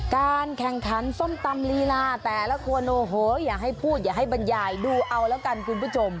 การแข่งขันส้มตำลีลาแต่ละคนโอ้โหอย่าให้พูดอย่าให้บรรยายดูเอาแล้วกันคุณผู้ชม